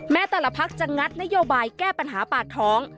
แต่ละพักจะงัดนโยบายแก้ปัญหาปากท้อง